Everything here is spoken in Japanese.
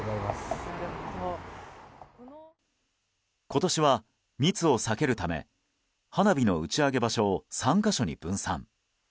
今年は、密を避けるため花火の打ち上げ場所を３か所に分散。